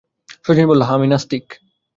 শচীশ বলিল, হাঁ, আমি নাস্তিক।